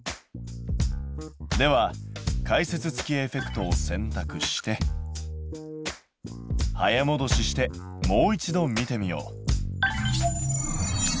では解説付きエフェクトを選たくして早もどししてもう一度見てみよう。